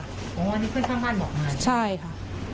อ๋อนี่เพื่อนข้างบ้านบอกมาใช่ค่ะ